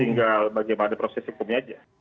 tinggal bagaimana proses hukumnya aja